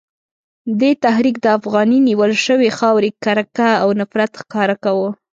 دې تحریک د افغاني نیول شوې خاورې کرکه او نفرت ښکاره کاوه.